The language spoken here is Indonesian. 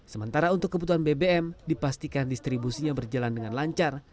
sementara untuk kebutuhan bbm dipastikan distribusinya berjalan dengan lancar